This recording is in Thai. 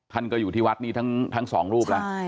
ท่านก็อยู่ที่วัดนี้ทั้งสองรูปแล้ว